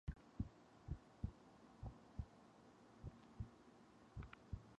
This is similar to Vishu new year festival ceremonial tray in Kerala.